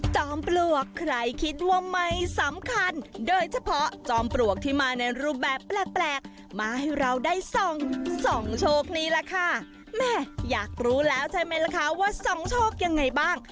จอมปลวกใครคิดว่าไม่สำคัญโดยเฉพาะจอมปลวกที่มาในรูปแบบแปลกมาให้เราได้ส่องส่องโชคนี้ล่ะค่ะแม่อยากรู้แล้วใช่ไหมล่ะคะว่าส่องโชคยังไงบ้าง